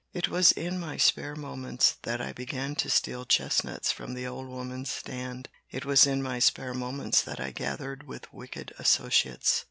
"It was in my spare moments that I began to steal chestnuts from the old woman's stand." "It was in my spare moments that I gathered with wicked associates."